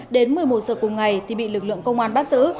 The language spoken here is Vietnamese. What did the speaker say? đến một mươi một giờ cùng ngày thì bị lực lượng công an bắt giữ